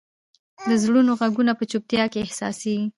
د زړونو ږغونه په چوپتیا کې احساسېږي.